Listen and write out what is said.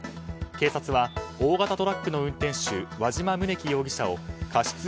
警察は大型トラックの運転手和嶋宗樹容疑者を過失